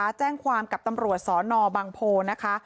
แจ้งความกับตำรวจสนบังโพนะคะ